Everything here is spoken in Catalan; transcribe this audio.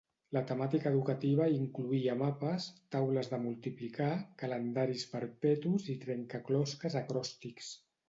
La temàtica educativa incloïa mapes, taules de multiplicar, calendaris perpetus i trencaclosques acròstics.